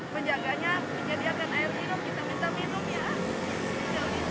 penjaganya menyediakan air minum kita minta minum ya